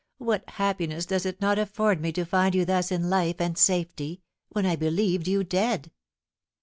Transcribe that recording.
What happiness does it not afford me to find you thus in life and safety, when I believed you dead!"